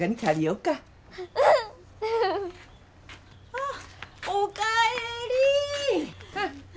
ああお帰り！